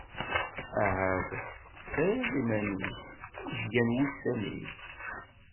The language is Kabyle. Ahat ad tseqsiḍ iman-ik: Amek gan wussan-is.